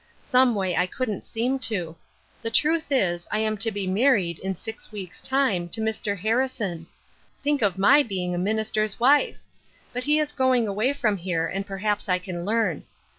Someway I couldn't seem to. The truth is, I am to be married, in six week's time, to Mr. Harrison. Think of my being a minister's wife I But he is going away from here and perhaps I can learn.